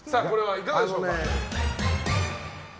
いかがでしょうか？